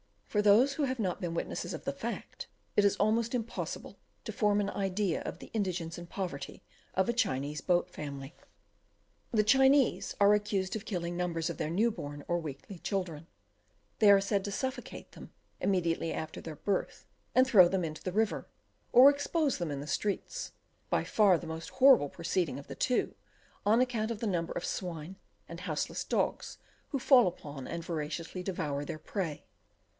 For those who have not been themselves witnesses of the fact, it is almost impossible to form an idea of the indigence and poverty of a Chinese boat family. The Chinese are accused of killing numbers of their new born or weakly children. They are said to suffocate them immediately after their birth, and then throw them into the river, or expose them in the streets by far the most horrible proceeding of the two, on account of the number of swine and houseless dogs, who fall upon, and voraciously devour, their prey.